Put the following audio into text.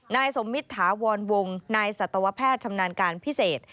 นายสมมิตรถาวรวงนายสัตวแพทย์ชำนาญการพิเศษ